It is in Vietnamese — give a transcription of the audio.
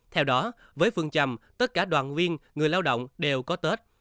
theo đó với phương trầm tất cả đoàn viên người lao động đều có tết